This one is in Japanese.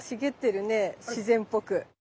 自然っぽく。